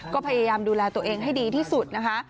ก็พยายามดูแลตัวเองให้ดีที่สุดนะคะ